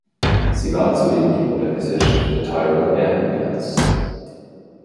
Sie war zudem die Muttergesellschaft der Tyrol Air Ambulance.